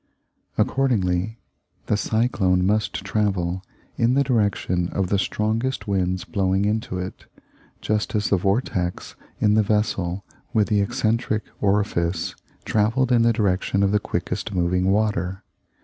Accordingly, the cyclone must travel in the direction of the strongest winds blowing into it, just as the vortex in the vessel with the eccentric orifice travelled in the direction of the quickest moving water.